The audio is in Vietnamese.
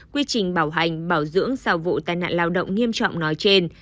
quy trình bảo hành bảo dưỡng sau vụ tai nạn lao động nghiêm trọng nói trên